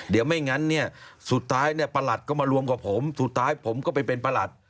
เดี๋ยวไม่งั้นเนี่ยสุดท้ายเนี่ยประหลัดก็มารวมกับผมสุดท้ายผมก็ไปเป็นประหลัด